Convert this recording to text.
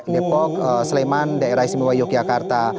depok sleman daerah istimewa yogyakarta